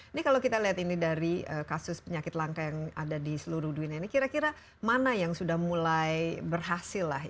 ini kalau kita lihat ini dari kasus penyakit langka yang ada di seluruh dunia ini kira kira mana yang sudah mulai berhasil lah